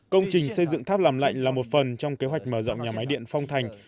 công trình xây dựng tháp làm lạnh là một phần trong kế hoạch mở rộng nhà máy điện phong thành